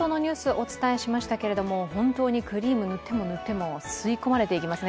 お伝えしましたけれども、本当にクリームを塗っても塗っても吸い込まれていきますね